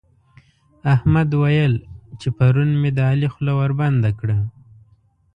احمد ويل چې پرون مې د علي خوله وربنده کړه.